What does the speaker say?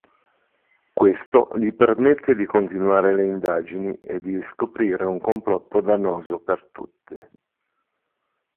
Questo gli permette continuare le indagini e di scoprire un complotto dannoso per tutti.